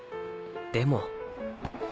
でも。